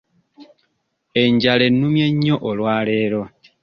Enjala ennumye nnyo olwaleero.